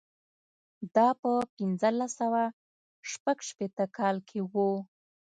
دا په پنځلس سوه شپږ شپېته کال کې و.